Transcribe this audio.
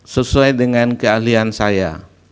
sesuai dengan keahlian saya